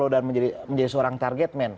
dan menjadi seorang target men